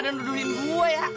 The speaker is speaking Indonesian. nuduhin gua ya